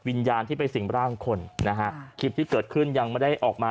วิญญาณที่ไปสิ่งร่างคนนะฮะคลิปที่เกิดขึ้นยังไม่ได้ออกมา